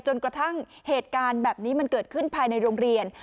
จนกระทั่งเหตุการณ์แบบนี้มันเกิดขึ้นภายในโรงเรียน